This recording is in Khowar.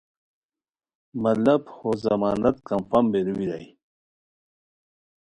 مطلب ہو ضمانت کنفرم بیرو بیرائے